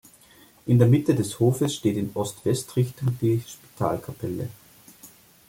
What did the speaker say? In der Mitte des Hofes steht in Ost-West-Richtung die Spitalkapelle.